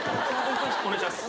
お願いします。